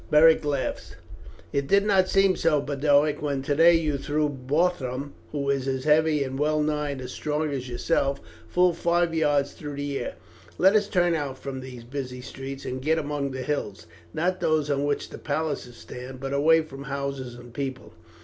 Beric laughed. "It did not seem so, Boduoc, when today you threw Borthon, who is as heavy and well nigh as strong as yourself, full five yards through the air. Let us turn out from these busy streets and get among the hills not those on which the palaces stand, but away from houses and people."